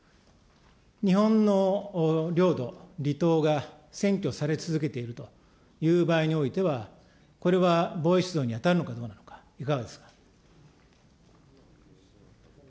日本の領土、離島が占拠され続けているという場合においては、これは防衛出動に当たるのかどうなのか、いかがですか。